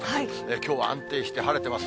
きょうは安定して晴れてます。